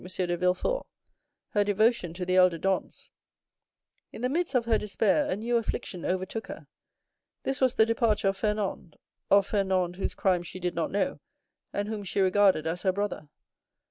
de Villefort, her devotion to the elder Dantès. In the midst of her despair, a new affliction overtook her. This was the departure of Fernand—of Fernand, whose crime she did not know, and whom she regarded as her brother.